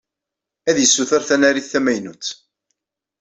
Ad yessuter tanarit tamaynut.